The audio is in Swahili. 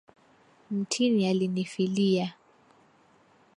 Mtini alinifilia.